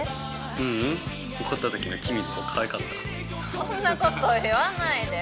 そんなこと言わないで。